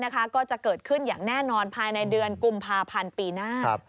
ก็จะเกิดขึ้นอย่างแน่นอนภายในเดือนกุมภาพันธ์ปีหน้า